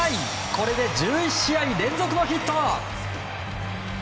これで１１試合連続のヒット。